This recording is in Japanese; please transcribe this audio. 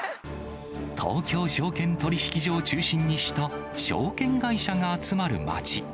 東京証券取引所を中心にした証券会社が集まる街。